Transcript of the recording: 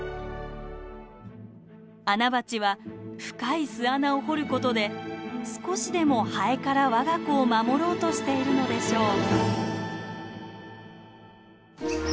アナバチは深い巣穴を掘る事で少しでもハエから我が子を守ろうとしているのでしょう。